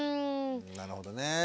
なるほどね。